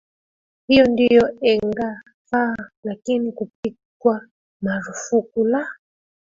hiyo ndiyo ingefaa lakini kupikwa marufuku la